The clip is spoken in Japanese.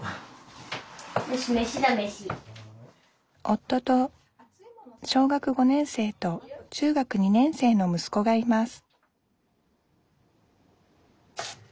夫と小学５年生と中学２年生のむすこがいます